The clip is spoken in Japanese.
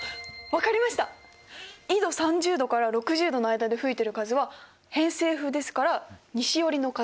緯度３０度から６０度の間で吹いてる風は偏西風ですから西寄りの風。